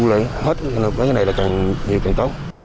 là hết cái này là nhiều càng tốt